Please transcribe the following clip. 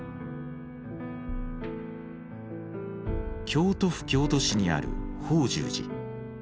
京都府京都市にある法住寺。